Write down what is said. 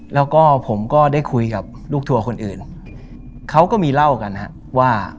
แล้วก็ผมก็ได้คุยกับลูกทัวร์คนอื่นเขาก็มีเล่ากันฮะว่า